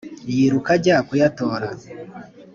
Yiruka ajya kuyatora,